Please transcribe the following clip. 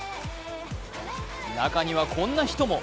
中には、こんな人も。